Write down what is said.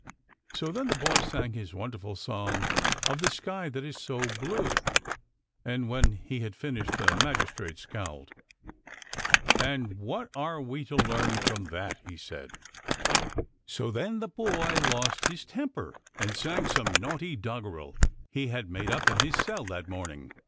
So then the boy sang his wonderful song of the sky that is so blue. And when he had finished the magistrate scowled. " And what are we to learn from that ?" he said. "&> then the boy lost his temper and sang some naughty doggerel he had made up in his cell that morning.